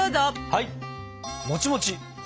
はい！